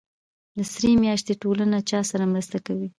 د سرې میاشتې ټولنه چا سره مرسته کوي؟